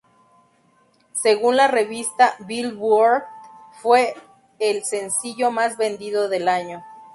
Según la revista "Billboard", fue el sencillo más vendido del año.